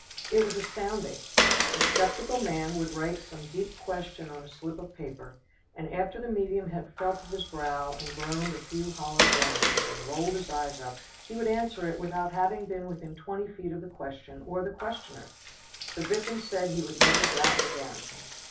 It was astounding. The skeptical man would write some deep question on a slip of paper, and after the medium had felt of his brow, and groaned a few hollow groans, and rolled his eyes up, he would answer it without having been within twenty feet of the question or the questioner. The victim said he would never doubt again.